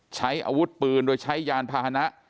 ใช้อาวุธปืนโดยใช้ยานพาหนะ